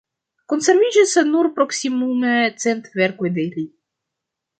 Konserviĝis nur proksimume cent verkoj de li.